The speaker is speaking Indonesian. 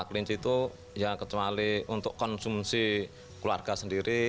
kelenci itu kecuali untuk konsumsi keluarga sendiri